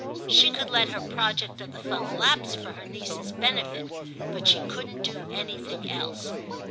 She could let her project of the Fund lapse for her niece's benefit, but she couldn't do anything else.